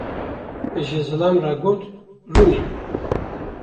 ....’’, ji zilam re got: “rûnê”.